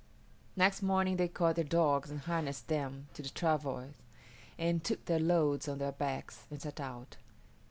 Next morning they caught their dogs and harnessed them to the travois and took their loads on their backs and set out.